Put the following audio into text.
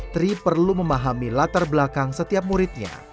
tri perlu memahami latar belakang setiap muridnya